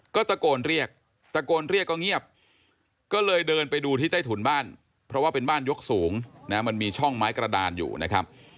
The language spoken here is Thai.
ก็ตะโกนเรียกตะโกนเรียกก็เงียบก็เลยเดินไปดูที่ใต้ถุนบ้านเพราะว่าเป็นบ้านยกสูงนะมันมีช่องไม้กระดานอยู่นะครับ